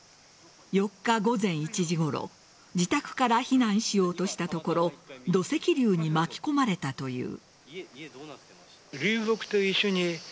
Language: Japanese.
４日午前１時ごろ自宅から避難しようとしたところ土石流に巻き込まれたという。